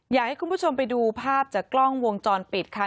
อยากให้คุณผู้ชมไปดูภาพจากกล้องวงจรปิดค่ะ